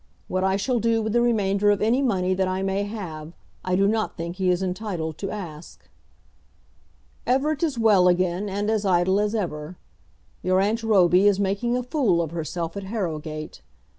What I shall do with the remainder of any money that I may have, I do not think he is entitled to ask. Everett is well again, and as idle as ever. Your aunt Roby is making a fool of herself at Harrogate.